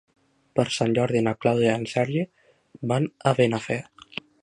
Per Sant Jordi na Clàudia i en Sergi van a Benafer.